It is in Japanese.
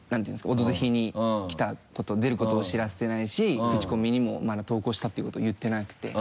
「オドぜひ」に来たこと出ることを知らせてないしクチコミにもまだ投稿したっていうこと言ってなくて。